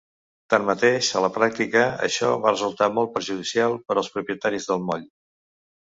Tanmateix, a la pràctica, això va resultar molt perjudicial per als propietaris del moll.